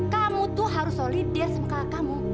kamu tuh harus solidar sama kamu